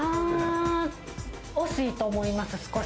惜しいと思います、少し。